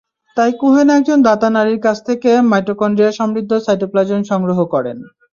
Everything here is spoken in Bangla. তাই কোহেন একজন দাতা নারীর কাছ থেকে মাইটোকন্ড্রিয়া-সমৃদ্ধ সাইটোপ্লাজম সংগ্রহ করেন।